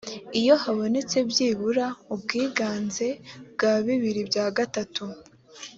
iyo habonetse byibura ubwiganze bwa bibiri bya gatatu